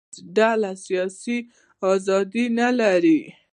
هېڅ ډول سیاسي ازادي یې نه لرله.